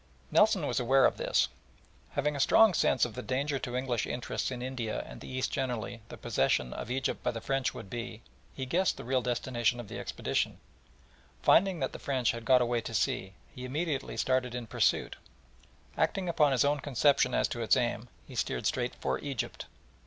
Nelson was aware of this, and having a strong sense of the danger to English interests in India and the East generally the possession of Egypt by the French would be, guessed the real destination of the expedition, and finding that the French had got away to sea, immediately started in pursuit, and, acting upon his own conception as to its aim, steered straight for Egypt.